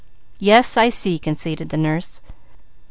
"Yes, I see!" conceded the nurse.